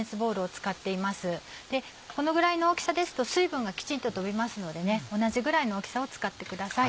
このぐらいの大きさですと水分がきちんと飛びますので同じぐらいの大きさを使ってください。